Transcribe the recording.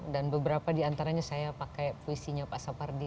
dan beberapa diantaranya saya pakai puisinya pak sapardi